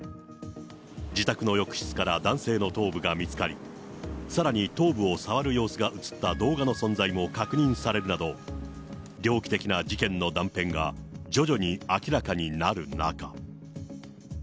自宅の浴室から男性の頭部が見つかり、さらに頭部を触る様子が映った動画の存在も確認されるなど、猟奇的な事件の断片が、徐々に明らかになる中。